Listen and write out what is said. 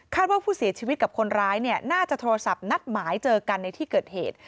ว่าผู้เสียชีวิตกับคนร้ายเนี่ยน่าจะโทรศัพท์นัดหมายเจอกันในที่เกิดเหตุ